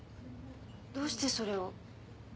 どうしてそれを？